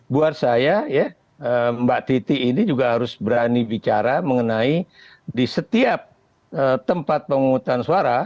buat saya ya mbak titi ini juga harus berani bicara mengenai di setiap tempat pengungutan suara